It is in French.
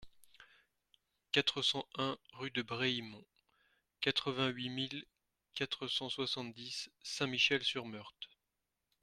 quatre cent un rue de Brehimont, quatre-vingt-huit mille quatre cent soixante-dix Saint-Michel-sur-Meurthe